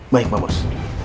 baik pak bos